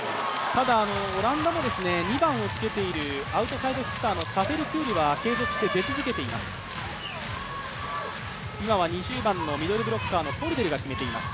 ただ、オランダも２番をつけているアウトサイドヒッターのサフェルクールは継続して出続けています。